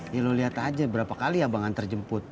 ya lu lihat aja berapa kali abang antar jemput